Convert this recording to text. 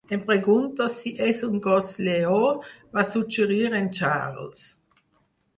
Em pregunto si és un gos lleó, va suggerir en Charles.